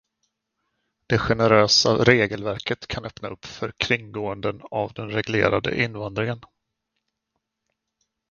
Det generösa regelverket kan öppna upp för kringgåenden av den reglerade invandringen.